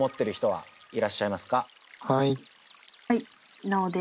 はい。